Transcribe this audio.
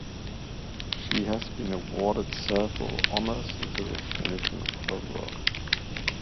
She has been awarded several honours in recognition of her work.